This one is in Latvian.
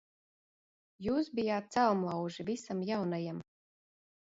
Jūs bijāt celmlauži visam jaunajam.